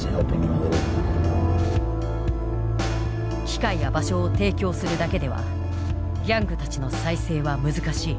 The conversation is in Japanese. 機会や場所を提供するだけではギャングたちの再生は難しい。